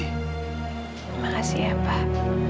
terima kasih ya pak